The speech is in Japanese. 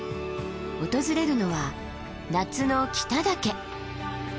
訪れるのは夏の北岳。